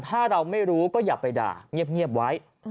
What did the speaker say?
ถ้าเราไม่รู้ก็อย่าไปด่าเงียบไว้